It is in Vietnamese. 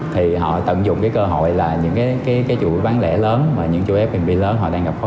thì họ tận dụng cái cơ hội là những cái chuỗi bán lẻ lớn và những chuỗi f b lớn họ đang gặp khó